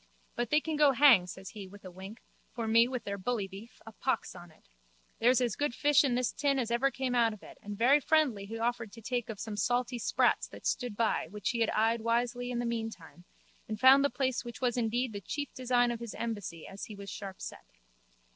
But they can go hang, says he with a wink, for me with their bully beef, a pox on it. There's as good fish in this tin as ever came out of it and very friendly he offered to take of some salty sprats that stood by which he had eyed wishly in the meantime and found the place which was indeed the chief design of his embassy as he was sharpset.